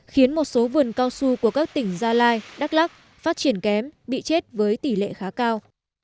khiến một số vườn cao su của các tỉnh gia lai đắk lắc phát triển kém bị chết với tỷ lệ khá cao